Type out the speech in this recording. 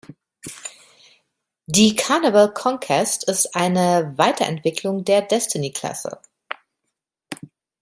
Die "Carnival Conquest" ist eine Weiterentwicklung der "Destiny"-Klasse.